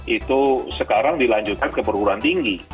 itu sekarang dilanjutkan ke perguruan tinggi